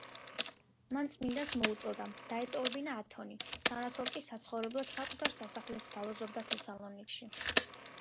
მან წმიდანს მოუწოდა, დაეტოვებინა ათონი, სანაცვლოდ კი საცხოვრებლად საკუთარ სასახლეს სთავაზობდა თესალონიკში.